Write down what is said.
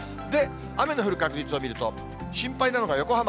雨の降る確率を見ると、心配なのが横浜。